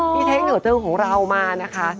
พี่เท้งเหนือเจ้าของเรามานะคะ